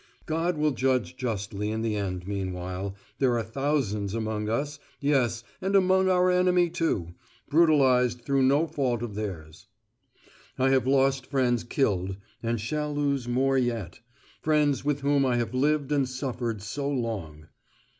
(God will judge justly in the end; meanwhile, there are thousands among us yes, and among our enemy too brutalised through no fault of theirs.) I have lost friends killed (and shall lose more yet), friends with whom I have lived and suffered so long.